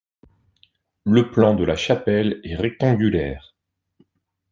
Le plan de la chapelle est rectangulaire.